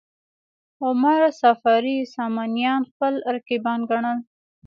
عمر صفاري سامانیان خپل رقیبان ګڼل.